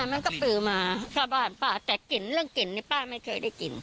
มันก็ปือมาเข้าบ้านป้าแต่กลิ่นเรื่องกลิ่นนี่ป้าไม่เคยได้กลิ่น